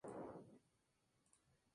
Complementa su dieta con frutos.